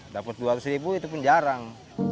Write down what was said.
dapat rp dua ratus itu pun jarang